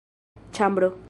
ĉambro